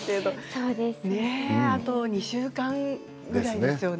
あと２週間ぐらいですよね。